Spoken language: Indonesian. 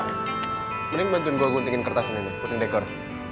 mending bantuin gue guntingin kertas ini puting dekor